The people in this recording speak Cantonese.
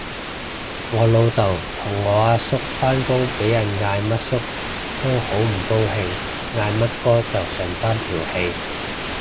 我老豆同我阿叔返工俾人嗌乜叔都好唔高興，嗌乜哥就順返條氣